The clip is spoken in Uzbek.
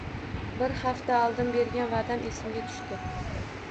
Bir hafta oldin bergan vaʼdam esimga tushdi.